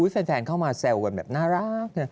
แฟนเขามาแซวดังน่ารัก